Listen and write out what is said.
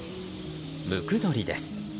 ムクドリです。